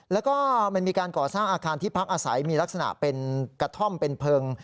แล้วก็มันมีการก่อสร้างอาคารที่พักอาศัยมีลักษณะเป็นกระท่อมเป็นเพลิง